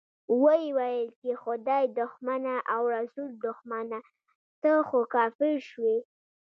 ويې ويل چې خدای دښمنه او رسول دښمنه، ته خو کافر شوې.